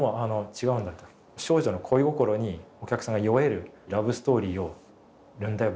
「少女の恋心にお客さんが酔えるラブストーリーをやるんだよ